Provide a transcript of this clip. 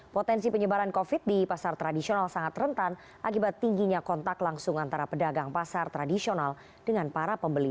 potensi penyebaran covid di pasar tradisional sangat rentan akibat tingginya kontak langsung antara pedagang pasar tradisional dengan para pembeli